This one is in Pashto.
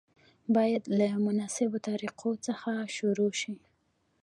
باید له مناسبو طریقو څخه شروع شي.